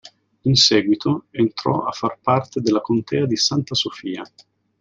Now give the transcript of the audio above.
In seguito entrò a far parte della contea di Santa Sofia.